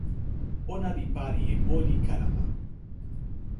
ona li pali e moli kalama.